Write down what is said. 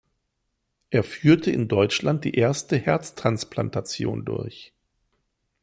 Er führte in Deutschland die erste Herztransplantation durch.